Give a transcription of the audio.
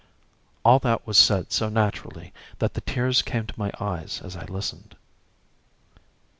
All that was said so naturally that the tears came to my eyes as I listened.